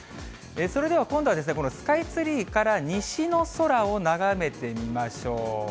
それでは今度は、このスカイツリーから西の空を眺めてみましょう。